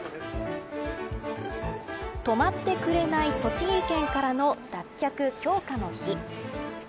止まってくれない栃木県からの脱却強化の日。